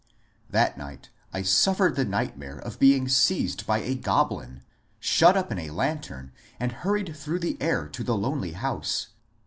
That night I suffered the nightmare of being seized by a goblin, shut up in a lantern and hurried through the air to the lonely house.